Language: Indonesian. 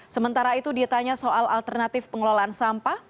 sementara itu ditanya soal alternatif pengelolaan sampah